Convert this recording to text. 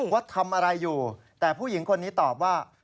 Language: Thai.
ว่าทำอะไรอยู่แต่ผู้หญิงคนนี้ตอบว่า